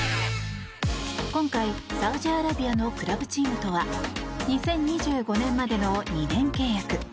今回、サウジアラビアのクラブチームとは２０２５年までの２年契約。